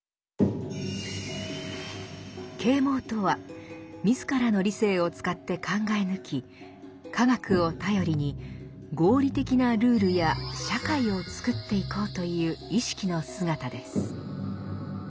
「啓蒙」とは自らの理性を使って考え抜き科学を頼りに合理的なルールや社会を作っていこうという意識の姿です。